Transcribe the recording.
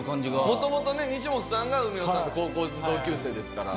元々ね西本さんが海野さんと高校の同級生ですから。